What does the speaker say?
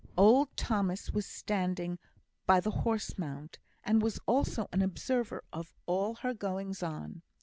Old Thomas was standing by the horse mount, and was also an observer of all her goings on.